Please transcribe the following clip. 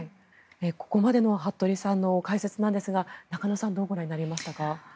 ここまでの服部さんの解説ですが中野さんどうご覧になりましたか。